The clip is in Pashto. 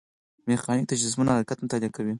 میخانیک د جسمونو حرکت مطالعه کوي.